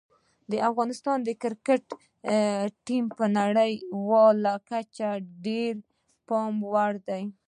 د افغانستان کرکټ ټیم په نړیواله کچه د ډېرې پاملرنې وړ دی.